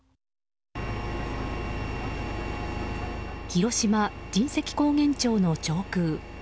広島・神石高原町の上空。